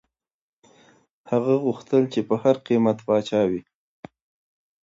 هغه غوښتل چي په هر قیمت پاچا وي.